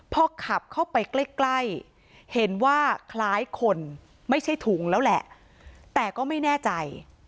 พอขับเข้าไปใกล้ใกล้เห็นว่าคล้ายคนไม่ใช่ถุงแล้วแหละแต่ก็ไม่แน่ใจ